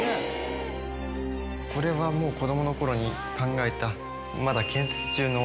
これは子供の頃に考えたまだ。